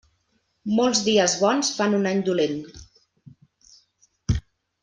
Molts dies bons fan un any dolent.